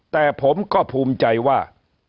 แต่ผมก็ภูมิใจว่า